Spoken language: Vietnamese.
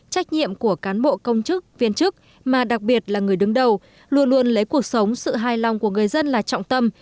trách nhiệm của cán bộ công chức viên chức mà đặc biệt là người đứng đầu luôn luôn lấy cuộc sống sự hài lòng của người dân là trọng tâm